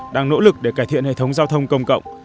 đang nỗ lực để cải thiện hệ thống giao thông công cộng